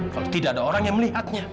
kalau tidak ada orang yang melihatnya